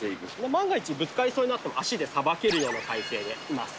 万が一、ぶつかりそうになってもさばけるような体勢でいます。